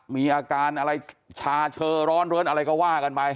มีอาการอะไรชาเชอร้อนเลิ้นอะไรก็ว่ากันไป